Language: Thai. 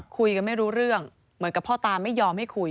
คุยกันไม่รู้เรื่องเหมือนกับพ่อตาไม่ยอมให้คุย